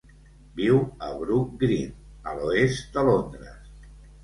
Viu a Brook Green, a l'oest de Londres.